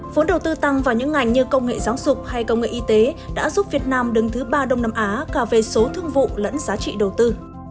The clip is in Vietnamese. vốn đầu tư tăng vào những ngành như công nghệ giáo dục hay công nghệ y tế đã giúp việt nam đứng thứ ba đông nam á cả về số thương vụ lẫn giá trị đầu tư